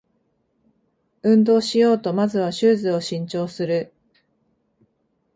運動しようとまずはシューズを新調する